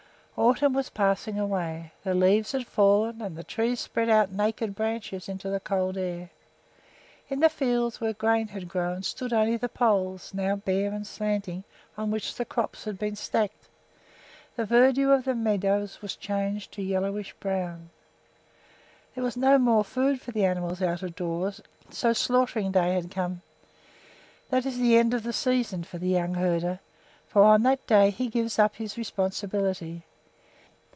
Autumn was passing away. The leaves had fallen and the trees spread out naked branches into the cold air. In the fields where grain had grown stood only the poles, now bare and slanting, on which the crops had been stacked. The verdure of the meadows was changed to yellowish brown. There was no more food for the animals out of doors, so slaughtering day had come. That is the end of the season for the young herder, for on that day he gives up his responsibility.